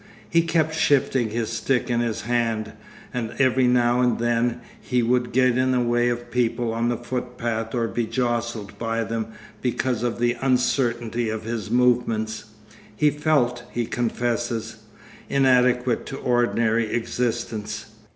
He kept shifting his stick in his hand, and every now and then he would get in the way of people on the footpath or be jostled by them because of the uncertainty of his movements. He felt, he confesses, 'inadequate to ordinary existence.